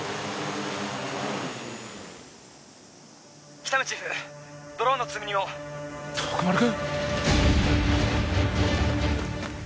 喜多見チーフドローンの積み荷を徳丸君？